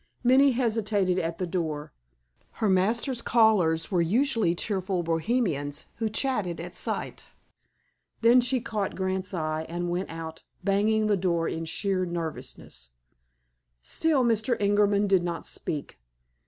Minnie hesitated at the door. Her master's callers were usually cheerful Bohemians, who chatted at sight. Then she caught Grant's eye, and went out, banging the door in sheer nervousness. Still Mr. Ingerman did not speak.